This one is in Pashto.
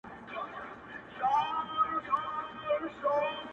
o ساقي پر ملا را خمه سه پر ملا در مات دی ـ